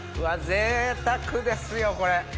ぜいたくですよこれ。